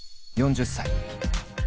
４０歳。